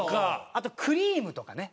あとクリームとかね。